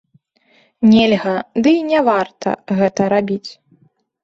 Нельга, ды і не варта гэта рабіць.